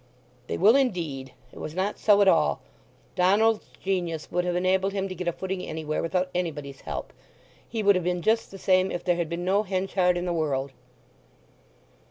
"They will indeed. It was not so at all. Donald's genius would have enabled him to get a footing anywhere, without anybody's help! He would have been just the same if there had been no Henchard in the world!"